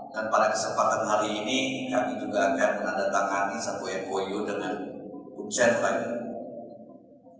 dan pada kesempatan hari ini kami juga akan menandatangani satu yang goyo dengan ucep lagi